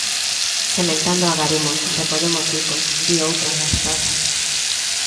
Sementando agarimos, recollemos bicos, di outra das frases.